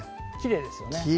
きれいですよね